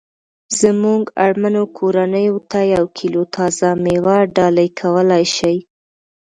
زمونږ اړمنو کورنیوو ته یوه کیلو تازه میوه ډالۍ کولای شي